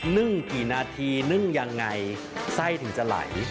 นึ่งกี่นาทีนึ่งยังไงไส้ถึงจะไหล